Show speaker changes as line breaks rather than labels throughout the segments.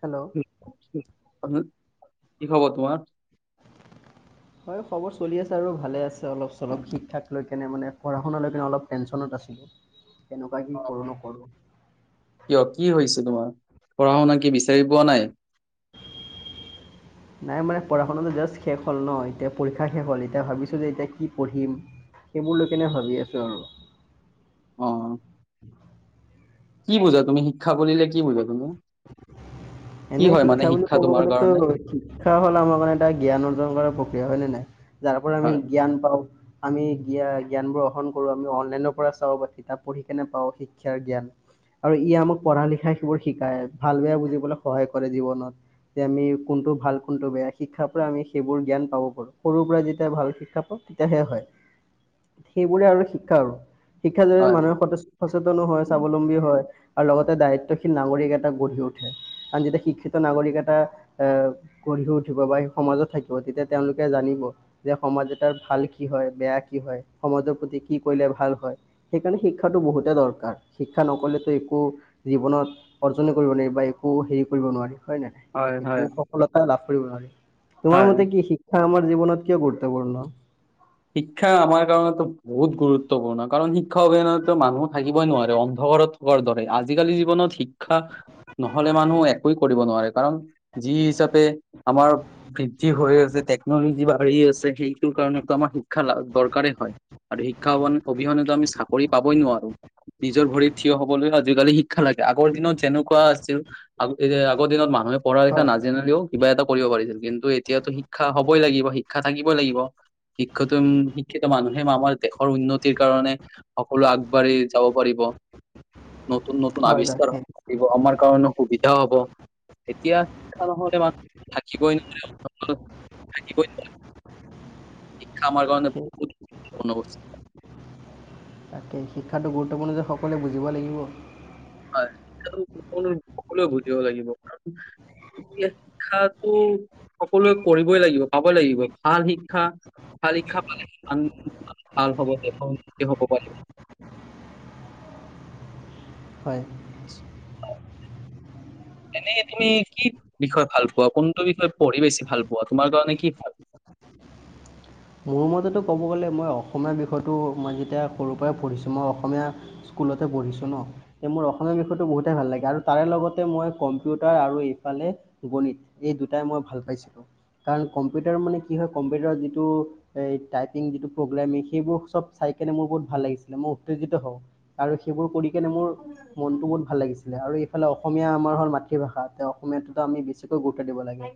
Hello
কি খবৰ তোমাৰ
হয় খবৰ চলি আছে আৰু ভালে আছে অলপ চলপ শিক্ষাক লৈ কেনে মানে পঢ়া শুনা লৈ কেনে অলপ টেনশনত আছোঁ এনেকুৱা কি কৰোঁ নকৰোঁ
কিয় কি হৈছে তোমাৰ পঢ়া শুনা কি বিচাৰি পোৱা নাই
নাই মানে পঢ়া শুনাটো জাষ্ট শেষ হ'ল ন এতিয়া পৰীক্ষা শেষ হ'ল এতিয়া ভাবিছোঁ যে এতিয়া কি পঢ়িম সেইবোৰ লৈ কিনে ভাবি আছোঁ আৰু
অহ কি বুজা তুমি শিক্ষা বুলিলে কি বুজা তুমি কি
এনেই
হয় মানে
শিক্ষা বুলি ক'ব
তোমাৰ
গলেতো
কাৰণে?
শিক্ষা হ'ল আমাৰ কাৰণে এটা জ্ঞান অৰ্জন কৰাৰ প্ৰক্ৰিয়া হয় নে নাই। যাৰ পৰা আমি
হয়
জ্ঞান পাওঁ। আমি জ্ঞা জ্ঞানবোৰ গ্ৰহণ কৰোঁ আমি অনলাইনৰ পৰা চাওঁ বা কিতাপ পঢ়ি কেনে পাওঁ শিক্ষাৰ জ্ঞান। আৰু ই আমাক পঢ়া লিখা সেইবোৰ শিকায় ভাল বেয়া বুজিবলৈ সহায় কৰে জীৱনত। যে আমি কোনটো ভাল কোনটো বেয়া শিক্ষাৰ পৰা আমি সেইবোৰ জ্ঞান পাব পাৰো সৰুৰ পৰা যেতিয়া ভাল শিক্ষা পাওঁ। তেতিয়াহে হয়
[inaudible]
সেইবোৰে আৰু শিক্ষা আৰু শিক্ষা জৰিয়তে
হয়
মানুহে সচেতনো হয় স্বাৱলম্বী হয়। আৰু লগতে দায়িত্বশীল নাগৰিক এটা গঢ়ি উঠে কাৰণ যেতিয়া শিক্ষিত নাগৰিক এটা এ গঢ়িও উঠিব বা সেই সমাজত থাকিব তেতিয়া তেওঁলোকে জানিব। যে সমাজ এটাৰ ভাল কি হয় বেয়া কি হয় সমাজৰ প্ৰতি কি কৰিলে ভাল হয়। সেইকাৰণে শিক্ষাটো বহুতে দৰকাৰ শিক্ষা নকৰিলেতো একো জীৱনত অৰ্জনে কৰিব নোৱাৰিব বা একো হেৰি কৰিব নোৱাৰি হয় নাই
হয়
একো
হয়
সফলতা লাভ কৰিব নোৱাৰি তোমাৰ
হয়।
মতে কি শিক্ষা শিক্ষা আমাৰ জীৱনত কিয় গুৰুত্বপূৰ্ণ।
শিক্ষা আমাৰ কাৰণেতো বহুত গুৰুত্বপূৰ্ণ কাৰণ শিক্ষা শিক্ষা অবিহনেতো মানুহ থাকিবই নোৱাৰে অন্ধকাৰত থকাৰ দৰে আজিকালি জীৱনত শিক্ষা নহ'লে মানুহ একোই কৰিব নোৱাৰে কাৰণ যি হিচাপে আমাৰ বৃদ্ধি হৈ আছে টেকনলজি বাঢ়ি আছে সেইটোৰ কাৰণেটো আমাৰ শিক্ষা দৰকাৰেই হয় আৰু শিক্ষা অবিহনেতো আমি চাকৰি পাবই নোৱাৰোঁ। নিজৰ ভৰিত থিয় হ'বলৈ আজিকালি শিক্ষা লাগে আগৰ দিনত যেনেকুৱা আছিল আগ এতিয়া আগৰ দিনত মানুহে পঢ়া লিখা
হয়
নাজানিলেও কিবা এটা কৰিব পাৰিছিল কিন্তু এতিয়াতো শিক্ষা হ'বই লাগিব শিক্ষা থাকিবই লাগিব। শিক্ষাতম শিক্ষিত মানুহে আমাৰ দেশৰ উন্নতিৰ কাৰণে সকলো আগবাঢ়ি যাব পাৰিব। নতুন নতুন
হয়
আৱিষ্কাৰ হৈ
তাকে
থাকিব আমাৰ কাৰণে সুবিধা হ'ব এতিয়া শিক্ষা নহ'লে মানুহ থাকিবই নোৱাৰিব। থাকিবই নোৱাৰিব। শিক্ষা আমাৰ কাৰণে বহুত গুৰুত্বপূৰ্ণ হৈ পৰিছে।
তাকে শিক্ষাটো গুৰুত্বপূৰ্ণ যে সকলোৱে বুজিব লাগিব।
হয় [unintelligible] সকলোৱ বুজিব লাগিব কাৰণ এতিয়া শিক্ষাটো সকলোৱে কৰিবই লাগিব পাবই লাগিব ভাল শিক্ষা ভাল শিক্ষা পালে আন ভাল হ'ব দেশৰ উন্নতি হ'ব পাৰিব।
হয়
অহ এনেই তুমি কি বিষয়ে ভাল পোৱা কোনটো বিষয়ে পঢ়ি বেছি ভাল পোৱা তোমাৰ কাৰণে কি ভাল।
মোৰ মতেতো ক'ব গ'লে মই অসমীয়া বিষয়টো মই যেতিয়া সৰুৰ পৰাই পঢ়িছোঁ মই অসমীয়া স্কুলতে পঢ়িছোঁ ন মোৰ অসমীয়া বিষয়টো বহুতেই ভাল লাগে আৰু তাৰে লগতে মই কম্পিউটাৰ আৰু ইফালে গণিত এই দুটাই মই ভাল পাইছিলো কাৰণ কম্পিউটাৰ মানে কি হয় কম্পিউটাৰত যিটো এই টাইপিং যিটো প্ৰব্লেম সেইবোৰ চব চাই কেনে মোৰ বহুত ভাল লাগিছিলে মই উত্তেজিত হওঁ। আৰু সেইবোৰ কৰি কেনে মোৰ মনটো বহুত ভাল লাগিছিলে আৰু ইফালে অসমীয়া আমাৰ হ'ল মাতৃভাষা তে অসমীয়াটোত আমি বেছি গুৰুত্ব দিব লাগে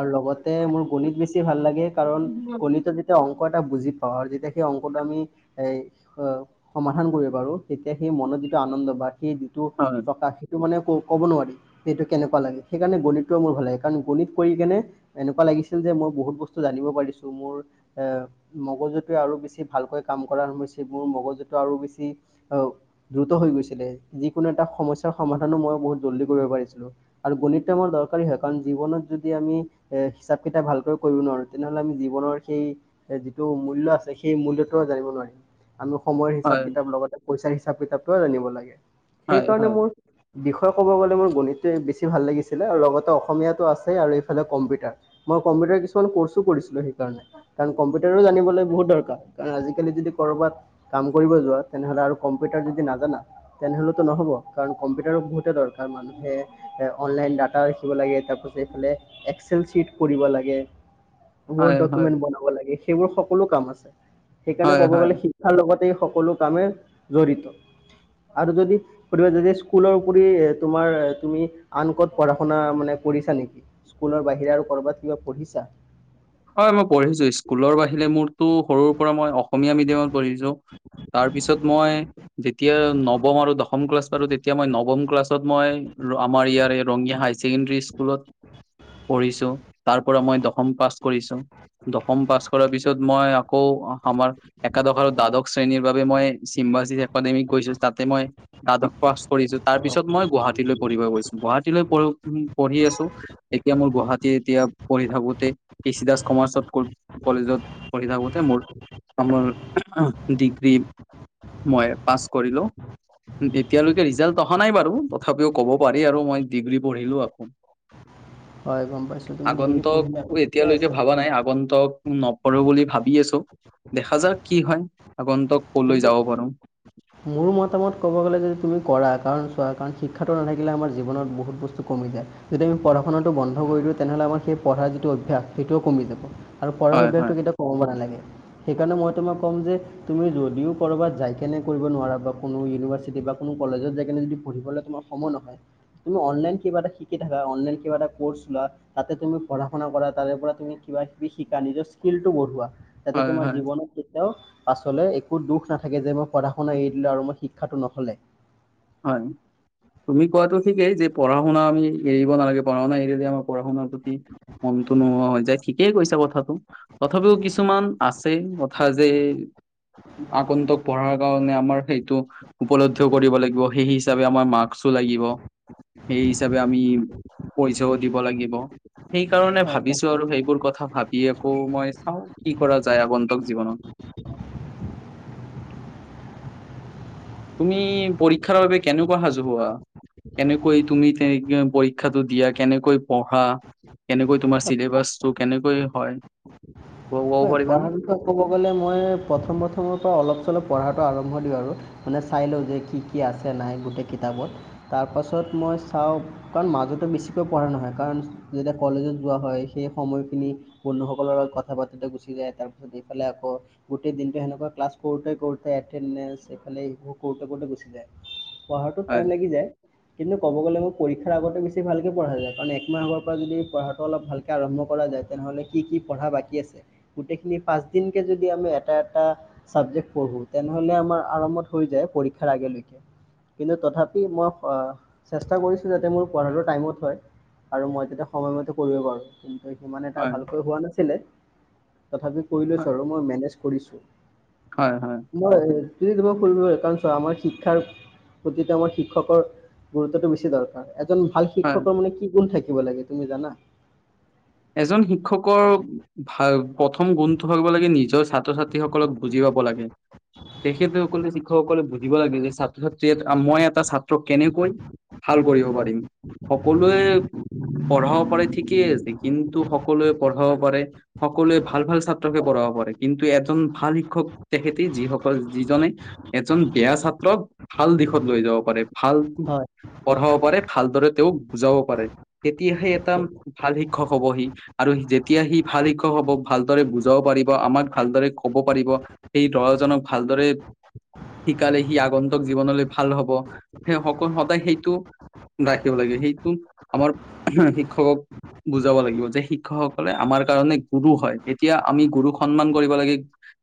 আৰু লগতে মোৰ গণিত বেছি ভাল লাগে কাৰণ গণিতত যেতিয়া যেতিয়া অংক এটা বুজি পাওঁ আৰু যেতিয়া সেই অংকটো আমি সমাধান কৰিব পাৰোঁ, তেতিয়া সেই মনৰ যিটো আনন্দ বা সেই যিটো
হয়
প্ৰকাশ টো মানে ক'ব নোৱাৰি যে এইটো কেনেকুৱা লাগে। সেইকাৰণে গণিততোৱে মোৰ ভাল লাগে কাৰণ গণিত কৰি কেনে এনেকুৱা লাগিছিল যে মই বহুত বস্তু জানিব পাৰিছো, মোৰ এ মগজুটোৱে আৰু বেছি ভালকৈ কাম কৰা হৈছে, মোৰ মগজুটো আৰু বেছি অ দ্ৰুত হৈ গৈছিলে, যিকোনো এটা সমস্যাৰ সমাধানো মই বহুত জল্দি কৰিব পাৰিছিলো। আৰু গণিতটো আমাৰ দৰকাৰী হয় কাৰণ জীৱনত যদি আমি অ হিচাপ কেইটা ভালকৈ কৰিব নোৱাৰো, তেনেহ'লে আমি জীৱনৰ সেই যিটো মূল্য আছে সেই মূল্যটোও জানিব নোৱাৰিম। আমি সময়ৰ হিচাপ
হয়,
কিতাপ লগতে পইচাৰ হিচাপ কিতাপটো জানিব লাগে।
হয়,
সেইকাৰণে
হয়,
মোৰ বিষয়ে ক'ব গ'লে মোৰ গণিতটোয়েই বেছি ভাল লাগিছিলে আৰু লগতে অসমীয়াটো আছেই আৰু এইফালে কম্পিউটাৰ। মই কম্পিউটাৰ কিছুমান কৰ্চো কৰিছিলোঁ সেইকাৰণে। কাৰণ কম্পিউটাৰো জানিবলৈ বহুত দৰকাৰ, কাৰণ আজিকালি যদি কৰ'বাত কাম কৰিব যোৱা তেনেহ'লে আৰু কম্পিউটাৰ যদি নাজানা তেনেহলেতো নহব কাৰণ কম্পিউটাৰো বহুতে দৰকাৰ, মানুহে এ অনলাইন ডাটা ৰাখিব লাগে, তাৰপাছত এইফালে এক্সেল চিট কৰিব লাগে। ৱৰ্ড
হয়, হয়,
ডকুমেণ্ট বনাব লাগে সেইবোৰ সকলো কাম আছে। সেইকাৰণে
হয়,
ক'বলৈ
হয়।
গলে পঢ়াৰ লগতে এই সকলো কামে জড়িত। আৰু যদি [unintelligible] স্কুলৰ উপৰিও তোমাৰ তুমি আন ক'ত পঢ়া শুনা মানে কৰিছা নেকি স্কুলৰ বাহিৰে আৰু কৰ'বাত কিবা পঢ়িছা?
হয় মই পঢ়িছো স্কুলৰ বাহিৰে মোৰতো সৰুৰ পৰা মই অসমীয়া মিডিয়ামত পঢ়িছো। তাৰপিছত মই যেতিয়া নৱম আৰু দশম ক্লাছ পালো, তেতিয়া মই নৱম ক্লাছত মই আমাৰ ইয়াৰ ৰঙিয়া হাই চেকেণ্ডৰী স্কুলত পঢ়িছো, তাৰ পৰা মই দশম পাছ কৰিছো। দশম পাছ কৰাৰ পিছত মই আকৌ আমাৰ একাদশ আৰু দ্বাদশ শ্ৰেণীৰ বাবে মই চিম্বায়সিছ একাডেমী গৈছো তাতে মই দ্বাদশ পাছ পঢ়িছো তাৰ পিছত মই গুৱাহাটীলৈ পঢ়িব গৈছো, গুৱাহাটীলৈ পৰ পঢ়ি আছো এতিয়া মোৰ গুৱাহাটী এতিয়া পঢ়ি থাকোতেই কে চি দাস কমাৰ্চত কলেজত পঢ়ি থাকোতে মোৰ অ মোৰ ডিগ্ৰী মই পাছ কৰিলো। এতিয়ালৈকে ৰিজাল্ট অহা নাই বাৰু তথাপিও ক'ব পাৰি আৰু মই ডিগ্ৰী পঢ়িলো আকৌ। [inaudible]
হয় গম পাইছো তুমি ডিগ্ৰী পঢ়িলা আৰু ঠিকেই আছে।
পোৱা নাই আগন্তক নপঢ়ো বুলি ভাবি আছো। দেখা যাওক কি হয়, আগন্তক কলৈ
কিন্তু
যাব পাৰো।
মোৰ মতামত ক'ব গ'লে যদি তুমি কৰা কাৰণ চোৱা কাৰণ শিক্ষাটো নাথাকিলে আমাৰ জীৱনত বহুত বস্তু কমি যায়। যদি আমি পঢ়া শুনাটো বন্ধ কৰি দিওঁ তেনেহ'লে আমাৰ সেই পঢ়াৰ যিটো অভ্যাস সেইটোও কমি যাব। আৰু পঢ়াৰ
হয়
অভ্যাসটো
হয়
কেতিয়াও কমাব নালাগে। সেইকাৰণে মই তোমাক ক'ম যে তুমি যদিও কৰবাত যাই কেনে পঢ়িব নোৱাৰা বা কোনো ইউভাৰ্চিটি বা কোনো কলেজত যায়কেনে যদি পঢ়িবলে তোমাৰ সময় নহয় তুমি অনলাইন কিবা এটা শিকি থাকা, অনলাইন কিবা এটা ক'ৰ্চ লোৱা। তাতে তুমি পঢ়া শুনা কৰা তাৰে পৰা তুমি কিবা কিবি শিকা নিজৰ স্কিলটো বঢ়োৱা। যাতে
হয়
তোমাৰ
হয়
জীৱনত কেতিয়াও পাছলৈ একো দুষ নাথাকে যে মই পঢ়া আৰু শুনা এৰি দিলো আৰু মোৰ শিক্ষাটো নহ'লে।
হয়, তুমি কোৱাটো ঠিকেই যে পঢ়া শুনা আমি এৰিব নালাগে পঢ়া শুনা এৰিলে আমাৰ পঢ়া শুনাৰ প্ৰতি মনটো নোহোৱা হৈ যায়, ঠিকেই কৈছা কথাটো। তথাপিও কিছুমান আছে কথা যে আগন্তক পঢ়াৰ কাৰণে আমাৰ সেইটো উপলব্ধিও কৰিব লাগিব। সেই হিচাপে আমাৰ মাক্সো লাগিব। সেই হিচাপে আমি পইচাও দিব লাগিব। সেইকাৰণে
হয়
ভাবিছো
তাকে।
আৰু সেইবোৰ কথা ভাব ই আকৌ মই চাও কি কৰা যায় আগন্তক জীৱনত। তুমি পৰীক্ষাৰ বাবে কেনেকুৱা সাজু হোৱা? কেনেকৈ তুমি তে [unintelligible] পৰীক্ষাটো দিয়া কেনেকৈ পঢ়া? কেনেকৈ তোমাৰ চিলেবাছটো কেনেকৈ হয়? ক'ব ক'ব
হয়,
পাৰিবানে?
পঢ়াৰ বিষয়ে ক'ব গ'লে মই প্ৰথম প্ৰথমৰ পৰা অলপ চলপ পঢ়াটো আৰম্ভ দিওঁ আৰু। মানে চাই লওঁ যে কি কি আছে নাই গোটেই কিতাপত তাৰপাছত মই চাওঁ কাৰণ মাজতে বেছিকৈ পঢ়া নহয় কাৰণ যেতিয়া কলেজত যোৱা হয় সেই সময়খিনি বন্ধুসকলৰ লগত কথা বাৰ্তাতে গুচি যায় তাৰ পিছত এইফালে আকৌ গোটেই দিনতো সেনেকোৱা ক্লাছ কৰোতে কৰোতে এটেনন্দেন্স এইফালে এইবোৰ কৰোতে কৰোতে গুচি যায়। পঢ়াটোত
হয়
টাইম লাগি যায়। কিন্তু কব গলে আমি পৰীক্ষাৰ আগতে বেছি ভালকে পঢ়া যায় কাৰণ একমাহ আগৰ পৰা যদি পঢ়াটো অলপ ভাল কে আৰম্ভ কৰা যায় তেনেহলে কি কি পঢ়া বাকী আছে? গোটেইখিনি পাঁচদিনকে যদি আমি এটা এটা চাবজেক্ট পঢ়ো তেনেহলে আমাৰ আৰামত হৈ যায় পৰীক্ষাৰ আগেলৈকে। কিন্তু তথাপি মই আহ চেষ্টা কৰিছো যাতে মোৰ পঢ়াটো টাইমত হয়। আৰু মই তেতিয়া সময়মতে কৰিব পাৰো কিন্তু সিমান এটা
হয়
ভালকৈ হোৱা নাছিলে। তথাপি কৰি লৈছো আৰু মই মেনেজ কৰিছো।
হয় হয়
[unintelligible] কাৰণ চোৱা মই শিক্ষাৰ প্ৰতিটো আমাৰ শিক্ষকৰ গুৰুত্বটো বেছি দৰকাৰ, এজন ভাল
হয় হয়।
শিক্ষকৰ মানে কি গুণ থাকিব লাগে তুমি জানা?
এজন শিক্ষকৰ ভাল প্ৰথম গুণটো হব লাগে নিজৰ ছাত্ৰ- ছাত কেসকলক বুজি পাব লাগে। তেখেতসকলে শিক্ষকসকলে বুজিব লাগে যে ছাত্ৰ - ছাত্ৰীয়ে আ মই এটা ছাত্ৰক কেনেকৈ ভাল কৰিব পাৰিম, সকলোৱে পঢ়াব পাৰে ঠিকেই আছে তো সকলোৱে পঢ়াব পাৰে, সকলোৱে ভাল ভাল ছাত্ৰকে পঢ়াব পাৰে কিন্তু এজন ভাল শিক্ষক তেখেতে যিসকল যিজনে এজন বেয়া ছাত্ৰক ভাল দিশত লৈ যাব পাৰে। ভাল
হয়
পঢ়াব পাৰে, ভালদৰে তেওঁক বুজাব পাৰে তেতিয়াহে এটা
ঠিক।
ভাল শি ক্ষক হ'ব সি। আৰু যেতিয়া সি ভাল শিক্ষক হব ভালদৰে বুজাব পাৰিব আমাক ভালদৰে কব পাৰিব সেই দহজনক ভালদৰে শিকালে সি আগন্তক জীৱনলৈ ভাল হব সেই সকল সদায় সেইটো ৰাখিব লাগে সেইটো আমাৰ উহু শিক্ষকক বুজাব লাগিব যে শিক্ষকসকলে আমাৰ কাৰণে গুৰু হয় এতিয়া আমি গুৰুক সন্মান কৰিব লাগে।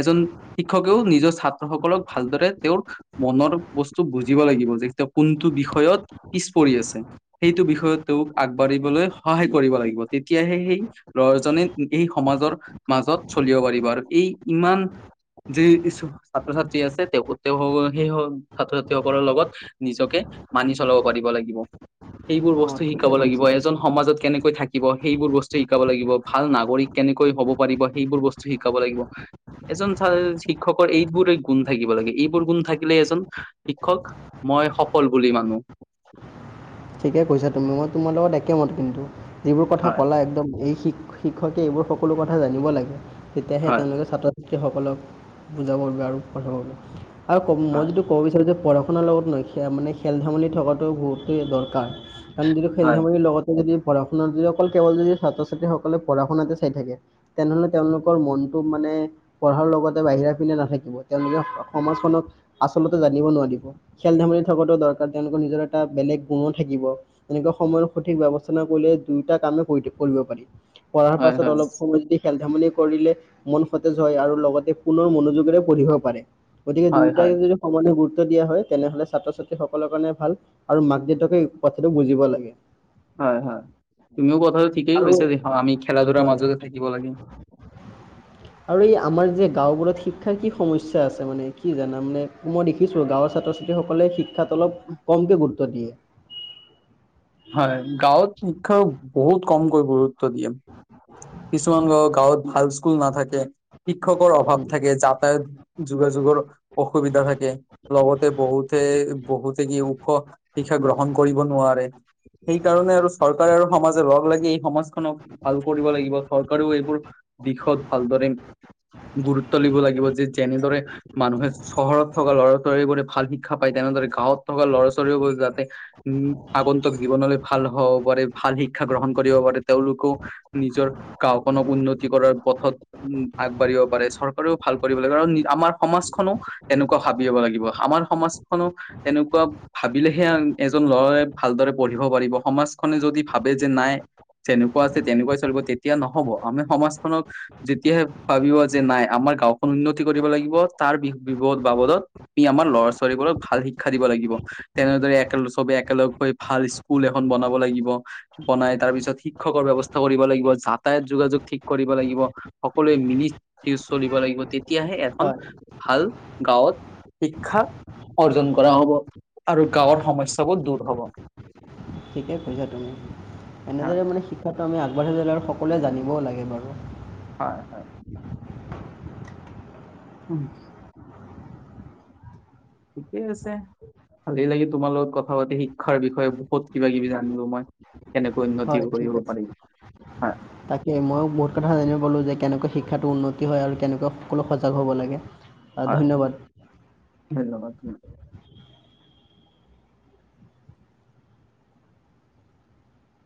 এজন শিক্ষকেও নিজৰ ছাত্ৰসকলক ভালদৰে তেওঁৰ মনৰ বস্তু বুজিব লাগিব যে তেওঁ কোনটো বিষয়ত পিছ পৰি আছে। সেইটো বিষয়ত তেওঁক আগবাঢ়িবলৈ সহায় কৰিব লাগিব তেতিয়াহে সেই লৰাজনে সেই সমাজৰ মাজত চলিব পাৰিব আৰু এই ইমান যি [unintelligible] ছাত্ৰ - ছাত্ৰী আছে তেওঁ তেওঁসক সেই স ছাত্ৰ ছাত্ৰীসকলৰ লগত নিজকে মানি চলাব পাৰিব লাগিব সেইবোৰ
অ
বস্তু
ঠিকে
শিকাব লাগিব
কৈছা
এজন সমাজত কেনেক কৈ থাকিব সেইবোৰ বস্তু শিকাব লাগিব, ভাল নাগৰিক কেনেকৈ হব পাৰিব সেইবোৰ বস্তু শিকাব লাগিব। এজন [unintelligible] শিক্ষকৰ এইবোৰে গুণ থাকিব লাগে এইবোৰ গুণ থাকিলে এজন শিক্ষক মই সফল বুলি মানো।
ঠিকেই কৈছা তুমি, মই তোমাৰ লগত একেমত। কিন্তু যিবোৰ কথা
হয়
ক'লা একদম এই শিক শিক্ষকে এইবোৰ সকলো কথা জানিব লাগে, তেতিয়াহে
হয়
তেওঁলোকে ছাত্ৰ ত্ৰী সকলক বুজাবৰ বাবে আৰু পঢ়াবৰ বাবে, আৰু ক মই
হয়
যিটো ক'ব বিচাৰোঁ যে, পঢ়া-শুনাৰ লগত নে মানে খেল ধেমালি থকাটো বহুতেই দৰকাৰ। কাৰণ যদি খেল
হয়
ধেমালিৰ লগতে যদি পঢ়া-শুনা যদি অকল কেৱল যদি ছাত্ৰ-ছাত্ৰীসকলে পঢ়া শুনাতে চাই থাকে। তেনেহ'লে তেওঁলোকৰ মনটো মানে পঢ়াৰ লগতে বাহিৰা পিনে নাথাকিব, তেওঁ লোকে সমাজখনক আচলতে জানিব নোৱাৰিব। খেল-ধেমালি থকাতো দৰকাৰ তেওঁলোকৰ নিজৰ এটা বেলেগ গুণো থাকিব, এনেকুৱা সময়ৰ সঠিক ব্যৱস্থা কৰিলে দুইটা কামে কৰিব পাৰি। পঢ়াৰ
হয়
পাছত
হয়
অলপ সময় যদি খেল-ধেমালি কৰিলে মন সতেজ হয়, আৰু লগতে পুনৰ মনোযোগেৰে পঢ়িব পাৰে। গতিকে
হয় হয়
দুয়োটাকে যদি সমানে গুৰুত্ব দিয়া হয়, তেনেহ'লে ছাত্ৰ-ছাত্ৰীসকলৰ কাৰণে ভাল আৰু মাক দেউতা কে এই কথাটো বুজিব লাগে।
হয়, হয়, তুমিও কথাটো ঠিকেই
আৰু
কৈছা যে আমি খেলা-ধূলাৰ
হয়
মাজতে থাকিব লাগে। [inaudible]
আৰু এই আমাৰ যে গাঁওবোৰত শিক্ষাৰ কি সমস্যা আছে মানে কি জানা মানে? মই দেখিছো গাঁৱৰ ছাত্ৰ-ছাত্ৰীসকলে শিক্ষাত অলপ কমকে গুৰুত্ব দিয়ে।
হয়, গাঁৱত শিক্ষা বহুত কমকৈ গুৰুত্ব দিয়ে। কিছুমান গাঁৱৰ গাঁৱত ভাল স্কুল নাথাকে, শিক্ষকৰ অভাৱ
উম।
থাকে, যাতায়াত যোগাযোগৰ অসুবিধা থাকে। লগতে বহুতে বহুতে কি ওখ শিক্ষা গ্ৰহণ কৰিব নোৱাৰে। সেই কাৰণে আৰু চৰকাৰে আৰু সমাজে লগ লাগি এই সমাজখনক ভাল লাগিব। চৰকাৰেও এইবোৰ দিশত ভালদৰে গুৰুত্ব দিব লাগিব। যে যেনেদৰে মানুহে চহৰত থকা ল'ৰা-ছোৱালীবোৰে ভাল শিক্ষা পায় তেনেদৰে গাঁৱত থকা ল'ৰা-ছোৱালীবোৰে যাতে উম, আগন্তক জীৱনলৈ ভাল হ'ব পাৰে ভাল শিক্ষা গ্ৰহণ কৰিব পাৰে তেওঁলোকো নিজৰ গাওঁখনক উন্নতি কৰাৰ পথত উম, আগবাঢ়িব পাৰে চৰকাৰেও ভাল কৰিব লাগে, আৰু আমাৰ সমাজখনো এনেকুৱা ভাবিব লাগিব। আমাৰ সমাজখনক এনেকুৱা ভাবিলেহে এজন ল'ৰাই ভালদৰে পঢ়িব পাৰিব, সমাজখনে যদি ভাবে যে নাই যেনেকুৱা আছে তেনেকুৱাই চলিব তেতিয়া ন'হব। আমি সমাজখনক যেতিয়াহে ভাবিব যে নাই আমাৰ গাওখন উন্নতি কৰিব লাগিব। তাৰ বি বি বাবদত আমি আমাৰ ল'ৰা-ছোৱালীবোৰক ভাল শিক্ষা দিব লাগিব। তেনেদৰে একেলগ চবে একেলগ হৈ ভাল স্কুল এখন বনাব লাগিব। বনাই তাৰ পিছত শিক্ষকৰ ব্যৱস্থা কৰিব লাগিব। যাত তায়ত যোগাযোগ ঠিক কৰিব লাগিব, সকলোৱে মিলি চলিব লাগিব। তেতিয়াহে এখন
হয়
ভাল গাঁৱত শিক্ষা অৰ্জন কৰা হ'ব আৰু গাঁৱৰ সমস্যবোৰ দূৰ হ'ব।
ঠিকেই কৈছা তুমি,
হয়
এনেদৰে মানে শিক্ষাটো আমি আগবাঢ়িব ল'লে সকলোৱে জানিবও লাগে বাৰু।
হয়, হয়। উম। ঠিকেই আছে। ভালেই লাগি তোমাৰ লগত কথা পাতি শিক্ষাৰ বিষয়ে, বহুত কিবা-কিবি জানিলো মই। কেনেকৈ উন্নতি
হয় ঠিক
কৰিব
আছে
পাৰি।
তাকে মইও বহুত কথা জানিব পালো যে কেনেকে শিক্ষাটো উন্নতি হয়, আৰু কেনেকে সকলো সজাগ হ'ব লাগে। আহ,
হয়,
ধন্যবাদ
ধনবাদ থাকিল।